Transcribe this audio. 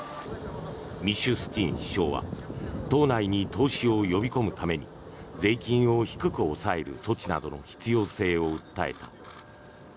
ミシュスチン首相は島内に投資を呼び込むために税金を低く抑える措置などの必要性を訴えた。